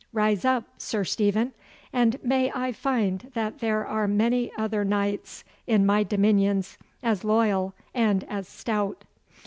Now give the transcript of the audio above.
Rise up, Sir Stephen, and may I find that there are many other knights in my dominions as loyal and as stout.